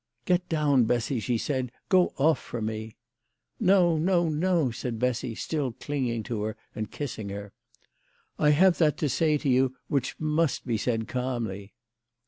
" Get down, Bessy," she said ;" go off from me." " No, no, no," said Bessy, still clinging to her and kissing her. "I have that to say to you which must be said calmly."